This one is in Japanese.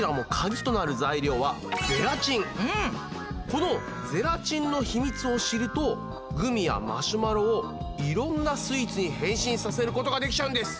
このゼラチンのヒミツを知るとグミやマシュマロをいろんなスイーツに変身させることができちゃうんです！